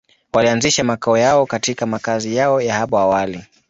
Walianzisha makao yao katika makazi yao ya hapo awali.